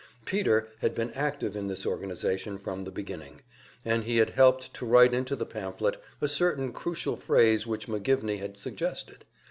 Peter had been active in this organization from the beginning, and he had helped to write into the pamphlet a certain crucial phrase which McGivney had suggested.